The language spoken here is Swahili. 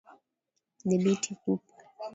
Dhibiti kupe